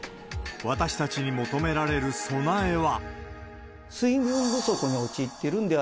私たちに求められる備えは？